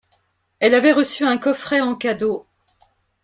Elle avait reçu un coffret en cadeau.